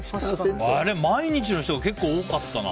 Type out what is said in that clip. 毎日の人が結構多かったな。